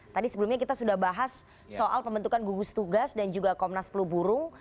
tadi sebelumnya kita sudah bahas soal pembentukan gugus tugas dan juga komnas flu burung